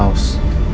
lo gak haus